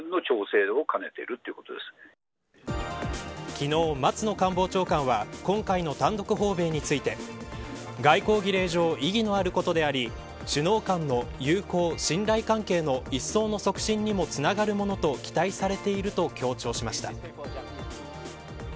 昨日、松野官房長官は今回の単独訪米について外交儀礼上意義のあることであり首脳間の友好、信頼関係のいっそうの促進にもつながるものと期待されていると強調しました。